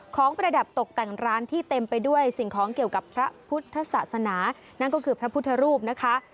ประดับตกแต่งร้านที่เต็มไปด้วยสิ่งของเกี่ยวกับพระพุทธศาสนานั่นก็คือพระพุทธรูปนะคะ